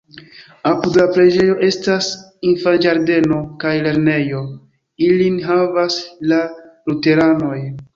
Apud la preĝejo estas infanĝardeno kaj lernejo, ilin havas la luteranoj.